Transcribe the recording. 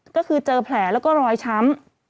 ก็คือเจอแผลแล้วก็รอยช้ำ